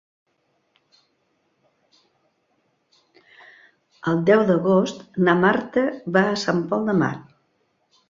El deu d'agost na Marta va a Sant Pol de Mar.